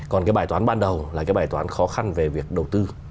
còn cái bài toán ban đầu là cái bài toán khó khăn về việc đầu tư